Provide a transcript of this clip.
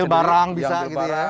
barang bisa gitu ya